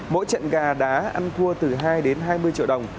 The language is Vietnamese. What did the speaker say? mỗi trận gà đá ăn thua từ hai đến hai mươi triệu đồng